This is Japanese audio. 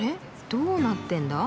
どうなってんだ？